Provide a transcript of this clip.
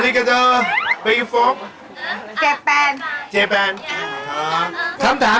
นั่งไงฉันว่าแล้ว